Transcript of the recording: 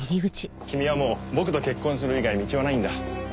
君はもう僕と結婚する以外道はないんだ。